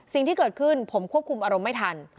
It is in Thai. สิ่งที่เกิดขึ้นผมควบคุมอารมณ์ไม่ทัน